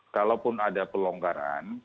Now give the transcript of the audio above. kalaupun ada pelonggaran